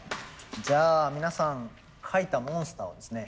じゃあ皆さん描いたモンスターをですね